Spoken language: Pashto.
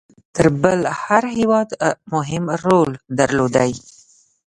تر بل هر هیواد مهم رول درلودی.